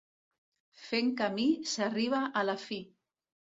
Fent camí s'arriba a la fi.